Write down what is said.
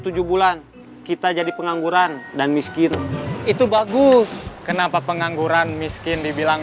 tujuh bulan kita jadi pengangguran dan miskin itu bagus kenapa pengangguran miskin dibilang